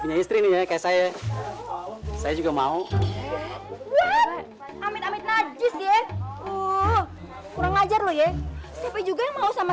punya istrinya kayak saya saya juga mau amit amit najis ya uh kurang ajar lo ya siapa juga mau sama